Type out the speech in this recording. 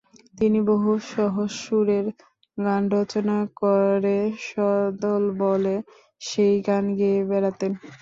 তিনি বহু সহজ-সুরের গান রচনা করে সদলবলে সেই গান গেয়ে বেড়াতেন।